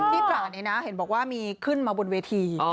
ตราดเนี่ยนะเห็นบอกว่ามีขึ้นมาบนเวที